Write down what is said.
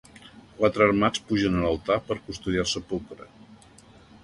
Quatre armats pugen a l'Altar per custodiar el Sepulcre.